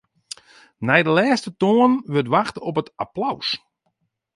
Nei de lêste toanen wurdt wachte op it applaus.